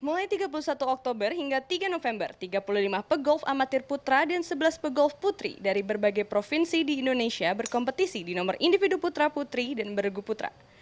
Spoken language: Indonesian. mulai tiga puluh satu oktober hingga tiga november tiga puluh lima pegolf amatir putra dan sebelas pegolf putri dari berbagai provinsi di indonesia berkompetisi di nomor individu putra putri dan beregu putra